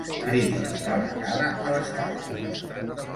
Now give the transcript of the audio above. Cridin, tal vegada a l'estadi.